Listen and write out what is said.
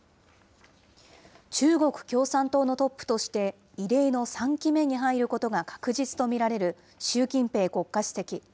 中国共産党のトップとして、異例の３期目に入ることが確実と見られる、習近平国家主席。